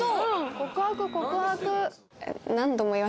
告白告白！